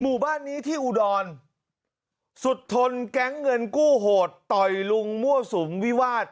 หมู่บ้านนี้ที่อุดรสุดทนแก๊งเงินกู้โหดต่อยลุงมั่วสุมวิวาส